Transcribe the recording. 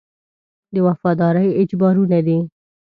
د وفادارۍ اجبارونه دي.